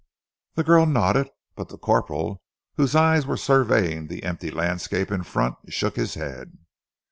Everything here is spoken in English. The girl nodded, but the corporal, whose eyes were surveying the empty landscape in front, shook his head.